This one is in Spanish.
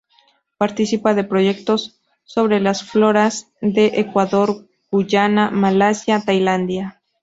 Participa de proyectos sobre las floras de Ecuador, Guyana, Malasia, Tailandia.